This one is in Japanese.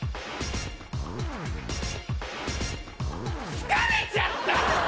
疲れちゃった！